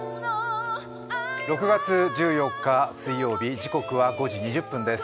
６月１４日、水曜日、時刻は５時２０分です。